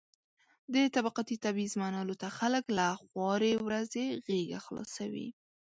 د طبقاتي تبعيض منلو ته خلک له خوارې ورځې غېږه خلاصوي.